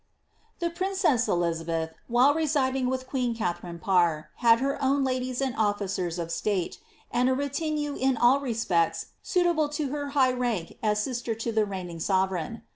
* The princess Elizabeth, while residing with queen Calliarine Parr, had her own ladies and officers of state, and a retinue in all respects suitable 10 her high rank as sister to the reigning sovereign.